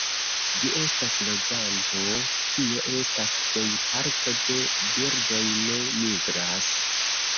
Ĝi estas loĝanto, tio estas plej parto de birdoj ne migras.